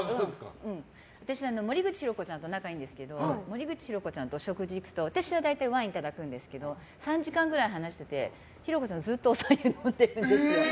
私、森口博子ちゃんと仲がいいんですけど森口博子ちゃんとお食事に行くと私は大体ワインいただくんですけど３時間くらい話してて博子ちゃん、ずっとお白湯を飲んでるんです。